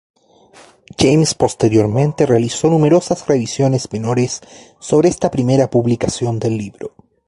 James posteriormente realizó numerosas revisiones menores sobre esta primera publicación del libro.